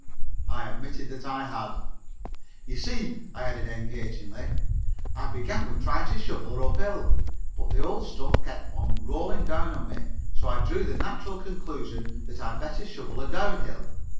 I admitted that I had. "You see," I added engagingly, "I began with trying to shovel her up hill, but the old stuff kept on rolling down on me, so I drew the natural conclusion that I'd better shovel her down hill.